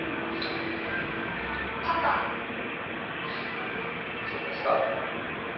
パパどうかした？